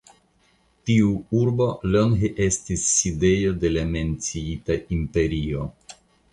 Tiu urbo longe estis sidejo de la menciita imperio.